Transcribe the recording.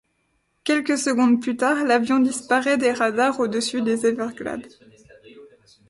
Quelques secondes plus tard, l'avion disparaît des radars au-dessus des Everglades.